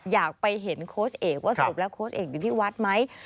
อยากไปเห็นโค้ชเอกว่าสรุปแล้วโค้ชเอกอยู่ที่วัดไหม